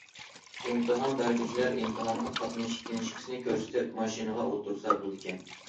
ئىمتىھان بەرگۈچىلەر ئىمتىھانغا قاتنىشىش كىنىشكىسىنى كۆرسىتىپ ماشىنىغا ئولتۇرسا بولىدىكەن.